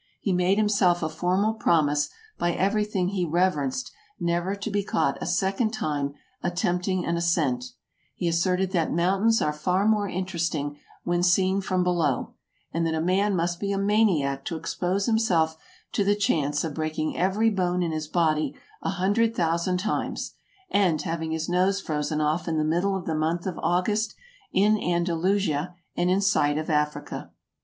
He made himself a formal promise, by everything he reverenced, never to be caught a second time attempting an ascent; he asserted that mountains are far more interesting when seen from below, and that a man must be a maniac to expose himself to the chance of breaking every bone in his body a hundred thousand times, and having his nose frozen off in the middle of the month of August, in Andalusia, and in sight of Africa.